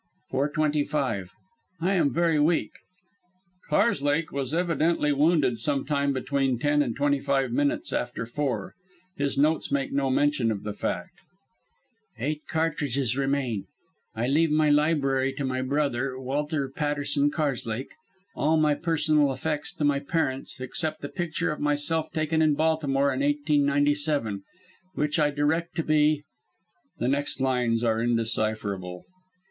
"Four twenty five. I am very weak." [_Karslake was evidently wounded sometime between ten and twenty five minutes after four. His notes make no mention of the fact_.] "Eight cartridges remain. I leave my library to my brother, Walter Patterson Karslake; all my personal effects to my parents, except the picture of myself taken in Baltimore in 1897, which I direct to be" [the next lines are undecipherable] "...